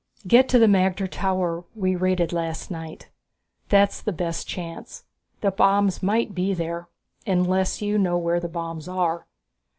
"Get to the magter tower we raided last night, that's the best chance. The bombs might be there.... Unless you know where the bombs are?"